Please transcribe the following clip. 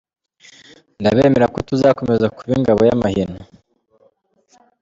Ndabemerera ko tuzakomeza kuba ingabo y’amahina.